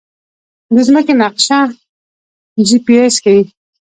د ځمکې نقشه جی پي اس ښيي